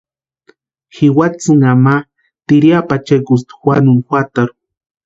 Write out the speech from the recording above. Jiwatsïnha ma tiriapu achekusti Juanuni juatarhu.